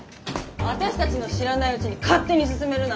私たちの知らないうちに勝手に進めるなんて。